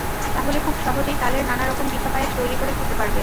তাহলে খুব সহজেই তালের নানা রকম পিঠা-পায়েস তৈরি করে খেতে পারবেন।